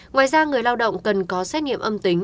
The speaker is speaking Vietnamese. ngoài ra người lao động cần có xét nghiệm âm tính